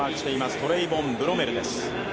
トレイボン・ブロメルです。